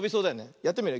やってみるよ。